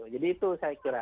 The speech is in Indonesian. jadi itu saya kira